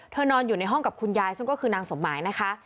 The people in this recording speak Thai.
นอนอยู่ในห้องกับคุณยายซึ่งก็คือนางสมหมายนะคะ